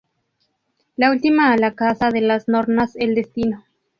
La última a la Casa de las Nornas, el Destino.